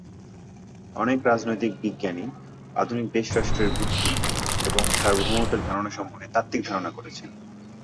অনেক রাজনৈতিক বিজ্ঞানী আধুনিক দেশ রাষ্ট্রের ভিত্তি এবং সার্বভৌমত্বের ধারণা সম্পর্কে তাত্ত্বিক ধারণা করেছেন।